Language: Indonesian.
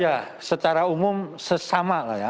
ya secara umum sesama lah ya